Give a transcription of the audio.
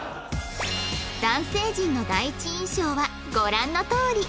男性陣の第一印象はご覧のとおり